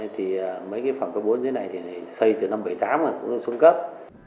thì mấy cái phòng cấp bốn dưới này thì xây từ năm bảy mươi tám rồi cũng được xuống cấp